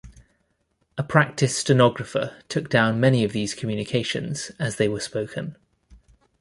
A practiced stenographer took down many of these communications as they were spoken.